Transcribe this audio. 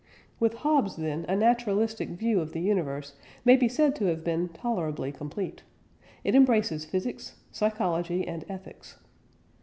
With Hobbes, then, a naturalistic view of the universe may be said to have been tolerably complete: it embraces physics, psychology, and ethics.